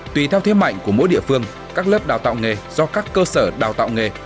tùy theo thế mạnh của mỗi địa phương các lớp đào tạo nghề do các cơ sở đào tạo nghề